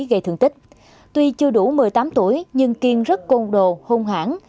gây thương tích tuy chưa đủ một mươi tám tuổi nhưng kiên rất côn đồ hung hãn